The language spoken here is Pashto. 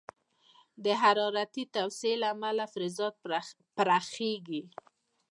د حرارتي توسعې له امله فلزات پراخېږي.